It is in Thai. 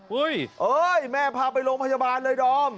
เฮ้ยเอ้ยแม่พาไปโรงพยาบาลเลยดอม